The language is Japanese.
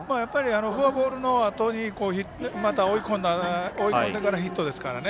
フォアボールのあとに追い込んでからヒットですから。